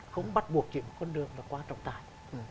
không bắt buộc kiếm con đường và qua trọng tài